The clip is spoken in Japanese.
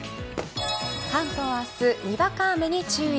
関東明日、にわか雨に注意。